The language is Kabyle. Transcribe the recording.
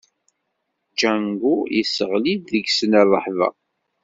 Django yesseɣli-d deg-sen rrehba.